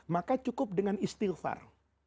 maka cukup dengan istilfar